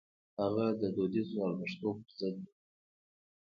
هغه د دودیزو ارزښتونو پر ضد و.